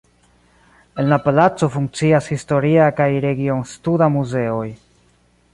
En la palaco funkcias historia kaj region-studa muzeoj.